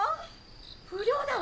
・不良だわ！